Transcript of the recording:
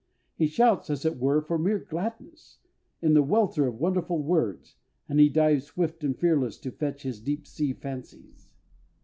He shouts, as it were, for mere gladness, in the welter of wonderful words, and he dives swift and fearless to fetch his deep sea fancies.